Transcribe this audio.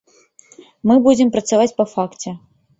Мы будзем працаваць па факце.